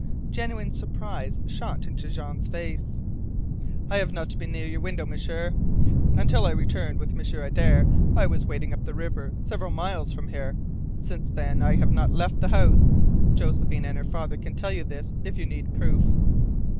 Genuine surprise shot into Jean's face. "I have not been near your window, M'sieur. Until I returned with M'sieur Adare I was waiting up the river, several miles from here. Since then I have not left the house. Josephine and her father can tell you this, if you need proof."